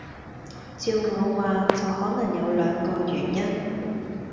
照我話就可能有兩個原因